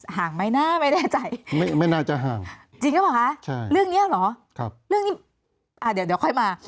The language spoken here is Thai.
ห่างไม่หนาจะห่างจริงหรือเปล่าคะเรื่องเนี่ยหรอเดี๋ยวค่อยมา